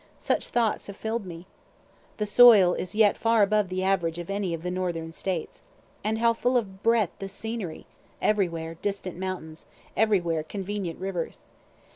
such thoughts have fill'd me. The soil is yet far above the average of any of the northern States. And how full of breadth the scenery, everywhere distant mountains, everywhere convenient rivers.